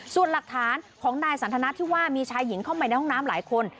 ส่วนหลักฐานของนายสันทนาที่ว่ามีชายหญิงเข้าไปในห้องน้ำหลายคน